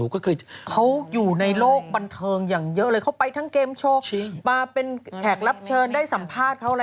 ก็คือเขาอยู่ในโลกบันเทิงอย่างเยอะเลยเขาไปทั้งเกมโชว์มาเป็นแขกรับเชิญได้สัมภาษณ์เขาอะไร